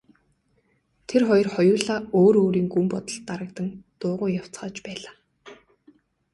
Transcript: Тэр хоёр хоёулаа өөр өөрийн гүн бодолд дарагдан дуугүй явцгааж байлаа.